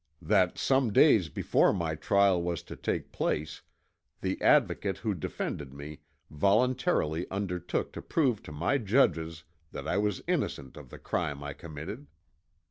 "That some days before my trial was to take place, the Advocate who defended me voluntarily undertook to prove to my judges that I was innocent of the crime I committed.